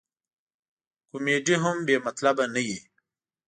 کمیډي هم بې مطلبه نه وي.